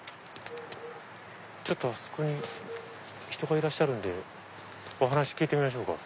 ちょっとあそこに人がいらっしゃるんでお話聞いてみましょうか。